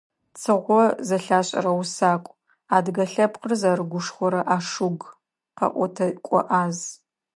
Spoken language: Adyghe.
Цыгъо зэлъашӀэрэ усакӀу, адыгэ лъэпкъыр зэрыгушхорэ ашуг, къэӀотэкӀо Ӏаз.